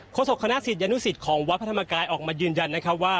โศกคณะศิษยานุสิตของวัดพระธรรมกายออกมายืนยันนะครับว่า